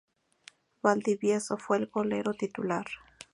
Valdivieso fue el golero titular.